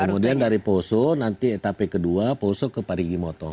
kemudian dari poso nanti etape kedua poso ke parigimotong